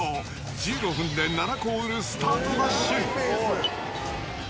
１５分で７個売るスタートダッシュ。